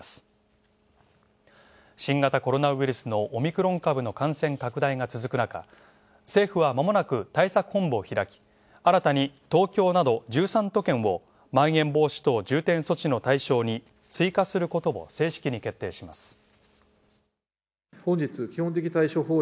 新型コロナウイルスのオミクロン株の感染拡大が続く中、政府はまもなく対策本部を開き、新たに東京など１３都県をまん延防止等重点措置の対象に追加することを正式に決定します。